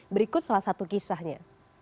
berikut salah satu kisahnya